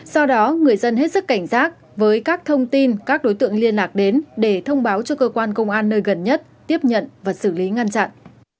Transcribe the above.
do đó người dân hết sức cảnh giác với các thông tin các đối tượng liên lạc đến để thông báo cho cơ quan công an nơi gần nhất tiếp nhận và xử lý ngăn chặn